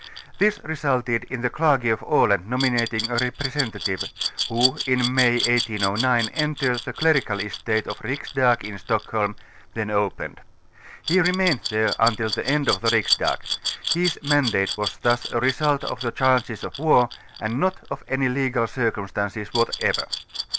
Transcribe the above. This resulted in the Clergy of Aland nominating a representative, who in May 1809 entered tlu^ clerical estate of tlif Riksdag in Stockholm, then opened: he remaind there iiutil the end of the Riksdag; his mandate was thus a result of the chances of war and not of any legal circumstances whatever.